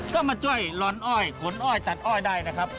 ก็มาช่วยลอนอ้อยขนอ้อยตัดอ้อยได้นะครับ